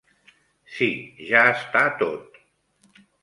Sí, ja està tot.